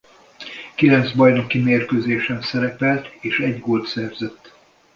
Kilenc bajnoki mérkőzésen szerepelt és egy gólt szerzett.